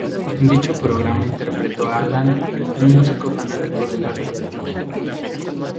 En dicho programa interpretó a Alan, un músico fanático del arte.